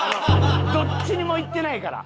どっちにもいってないから。